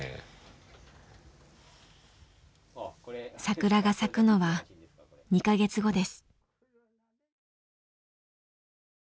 桜が咲くのは２か月後です。